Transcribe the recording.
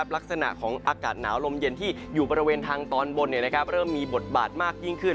ลักษณะของอากาศหนาวลมเย็นที่อยู่บริเวณทางตอนบนเริ่มมีบทบาทมากยิ่งขึ้น